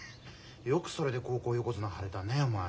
よくそれで高校横綱張れたねお前。